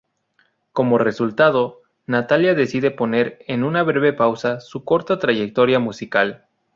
Como resultado, Natalia decide poner en una breve pausa su corta trayectoria musical.